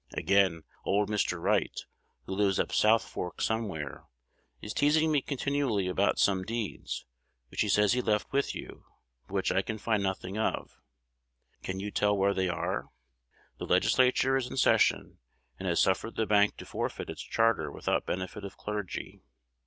Again, old Mr. Wright, who lives up South Fork somewhere, is teasing me continually about some deeds, which he says he left with you, but which I can find nothing of. Can you tell where they are? The Legislature is in session, and has suffered the bank to forfeit its charter without benefit of clergy.